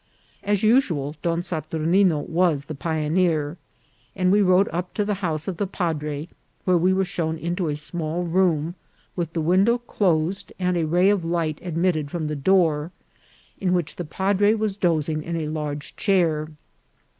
As usual, Don Saturnino was the pioneer, and we rode up to the house of the padre, where we were shown into a small room, with the window closed and a ray of light admitted from the door, in which the padre was dozing in a large chair.